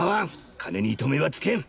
金に糸目はつけん！